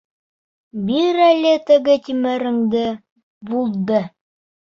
Бир әле теге тимереңде... булды!